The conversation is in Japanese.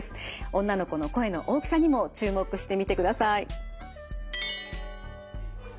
女の子の声の大きさにも注目してみてください。